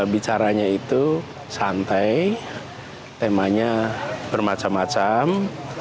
bicaranya itu santai temanya bermacam macam